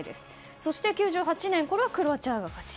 そして９８年これはクロアチアが勝ち。